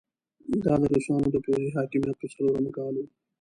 دا د روسانو د پوځي حاکميت په څلورم کال وو.